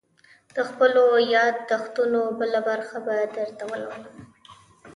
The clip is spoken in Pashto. _د خپلو ياد دښتونو بله برخه به درته ولولم.